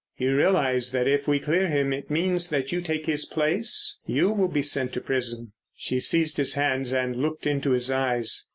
"You realise that if we clear him it means that you take his place? You will be sent to prison." She seized his hands and looked into his eyes.